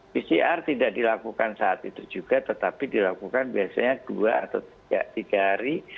pcr tidak dilakukan saat itu juga tetapi dilakukan biasanya dua atau tiga hari